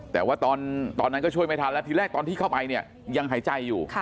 แต่ว่าตอนนั้นก็ช่วยไม่ทันแล้วทีแรกตอนที่เข้าไปเนี่ยยังหายใจอยู่